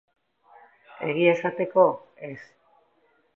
Egia esateko, ez.